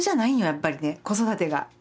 やっぱりね子育てが。